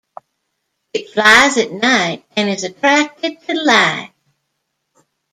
It flies at night and is attracted to light.